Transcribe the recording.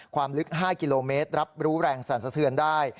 ความลึก๕กิโลเมตรรับรู้แรงสั่นสะเทือนได้